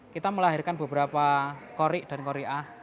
kita melahirkan beberapa korik dan koriah